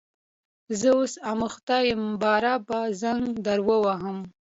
زه اوس اخته یم باره به زنګ در ووهم